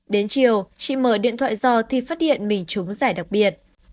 đến chiều chị mở điện thoại do thì phát hiện mình chúng giải đặc biệt